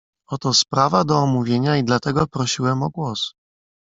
"Oto sprawa do omówienia i dlatego prosiłem o głos."